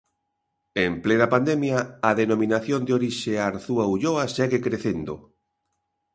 En plena pandemia a denominación de orixe Arzúa Ulloa segue crecendo.